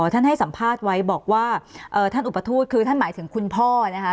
ให้สัมภาษณ์ไว้บอกว่าท่านอุปทูตคือท่านหมายถึงคุณพ่อนะคะ